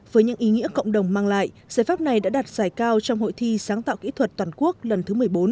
với những ý nghĩa cộng đồng mang lại giải pháp này đã đạt giải cao trong hội thi sáng tạo kỹ thuật toàn quốc lần thứ một mươi bốn